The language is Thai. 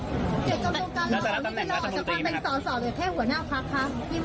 แล้วจะรับตำแหน่งรัฐบนตรีไหมครับหัวหน้าพรรคครับพี่หมอ